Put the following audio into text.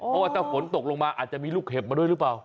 เพราะว่าถ้าฝนตกลงมาอาจจะมีลูกเห็บมาด้วยหรือเปล่า